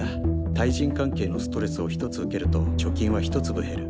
対人関係のストレスを１つ受けると貯金は１粒減る。